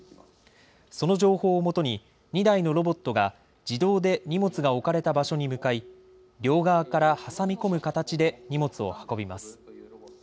その情報をもとに２台のロボットが自動で荷物が置かれた場所に向かい両側から挟み込む形で荷物を運びます。